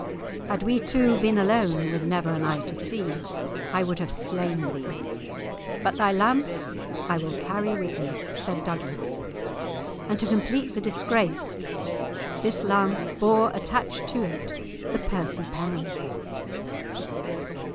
"Had we two been alone, with never an eye to see, I would have slain thee, but thy lance I will carry with me," said Douglas, and, to complete the disgrace, this lance bore attached to it the Percy pennon.